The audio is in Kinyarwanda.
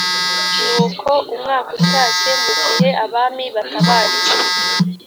nuko umwaka utashye mu gihe abami batabarira